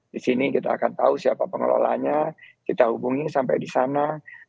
di sini kita akan tahu siapa pengelolanya kita hubungi sampai di sana